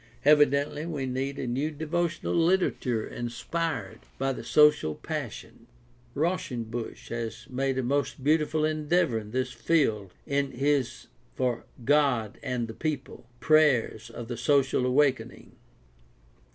Evidently we need a new devotional literature inspired by the social passion. Rausch enbusch has made a most beautiful endeavor in this field in his For God and the People: Prayers of the Social Awakening.